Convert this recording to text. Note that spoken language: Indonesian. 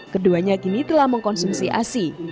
keduanya kini telah mengkonsumsi asi